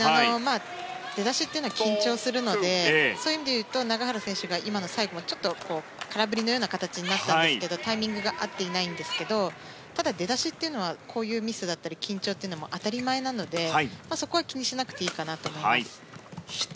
出だしは緊張するのでそういう意味で言うと永原選手が、最後ちょっと空振りのような形になったんですけどタイミングが合っていないんですけどただ、出だしはこういうミスや緊張っていうのも当たり前なのでそこは気にしなくていいかなと思います。